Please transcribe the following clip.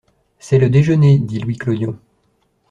C’est le déjeuner, dit Louis Clodion.